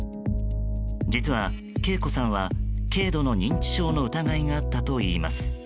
実は敬子さんは、軽度の認知症の疑いがあったといいます。